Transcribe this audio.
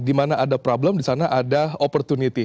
di mana ada problem di sana ada opportunity